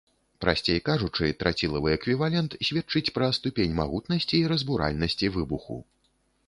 Прасцей кажучы, трацілавы эквівалент сведчыць пра ступень магутнасці і разбуральнасці выбуху.